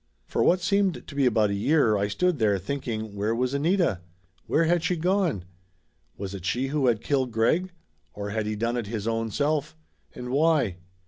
For what seemed to be about a year I stood there thinking where was Anita? Where had she gone? Was it she who had killed Greg, or had he done it his own self? And why?